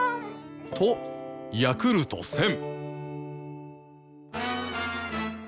ヤクルト１０００